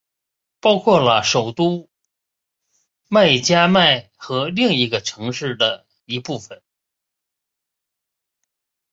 包括了首都麦纳麦和另一个市的一部份。